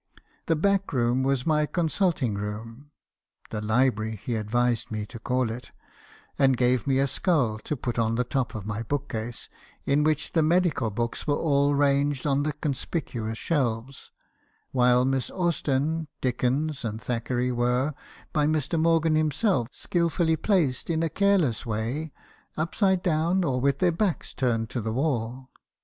The back room was my consulting room ('the library,' he advised me to call it) , and gave me a skull to put on the top of my bookcase, in which the medical books were all ranged on the conspicuous shelves ; while Miss Austen, Dickens, and Thackeray were , by Mr. Morgan himself, skilfully placed in a careless way, upside down, or with their backs turned to the wall.